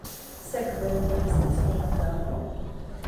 Sekve mi estas Holandano?